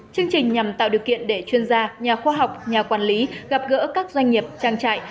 chương trình nhằm tạo điều kiện để chuyên gia nhà khoa học nhà quản lý gặp gỡ các doanh nghiệp trang trại